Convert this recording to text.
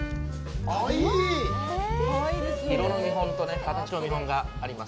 色の見本と形の見本があります。